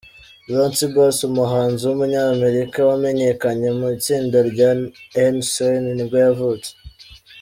Lance Bass, umuhanzi w’umunyamerika wamenyekanye muitsinda rya ‘N Sync nibwo yavutse.